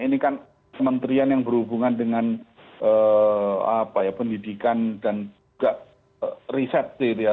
ini kan kementerian yang berhubungan dengan pendidikan dan juga riset sih ya